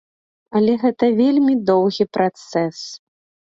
Але гэта вельмі доўгі працэс.